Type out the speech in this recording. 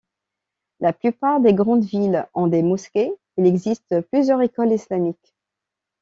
La plupart des grandes villes ont des mosquées, et il existe plusieurs écoles islamiques.